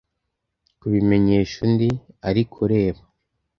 Kubimenyesha undi. Ariko reba